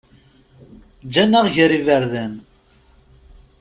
Ǧǧan-aɣ gar yiberdan.